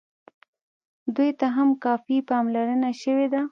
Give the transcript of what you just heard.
دوی ته هم کافي پاملرنه شوې ده.